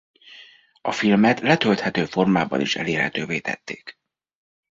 A filmet letölthető formában is elérhetővé tették.